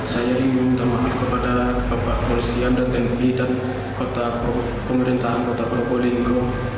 saya ingin meminta maaf kepada bapak polisi yang dan tni dan kota pemerintahan kota pabu ninggo